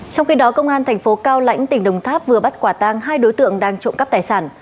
trong khi đó công an thành phố cao lãnh tỉnh đồng tháp vừa bắt quả tang hai đối tượng đang trộm cắp tài sản